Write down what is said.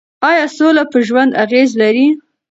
ایا سوله په ژوند اغېز لري؟